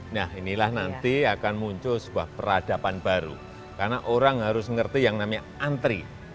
nah inilah nanti akan muncul sebuah peradaban baru karena orang harus mengerti yang namanya antri